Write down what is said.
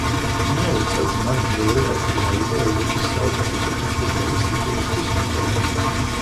იმავე წელს მან მეორე ადგილი აიღო ევროპის საუკეთესო ფეხბურთელის ტიტულისთვის ბრძოლაში.